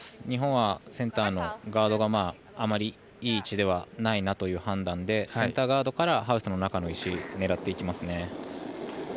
日本はセンターのガードがあまりいい位置ではないなという判断でセンターガードからハウスの中の石を狙っていきますね。